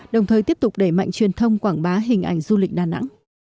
đồng thời tiếp tục đẩy mạnh truyền thông quảng bá hình ảnh du lịch đà nẵng